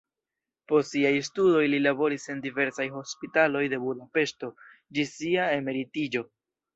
Post siaj studoj li laboris en diversaj hospitaloj de Budapeŝto ĝis sia emeritiĝo.